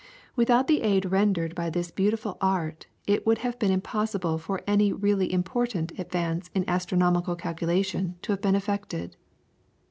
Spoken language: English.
Without the aid rendered by this beautiful art it would have been impossible for any really important advance in astronomical calculation to have been effected.